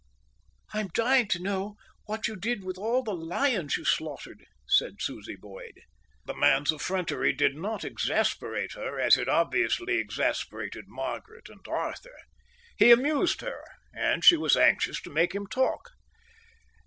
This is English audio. "I'm dying to know what you did with all the lions you slaughtered," said Susie Boyd. The man's effrontery did not exasperate her as it obviously exasperated Margaret and Arthur. He amused her, and she was anxious to make him talk.